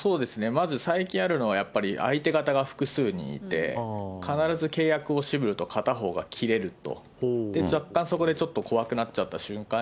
まず最近あるのはやっぱり、相手方が複数人いて、必ず契約を渋ると、片方がきれると。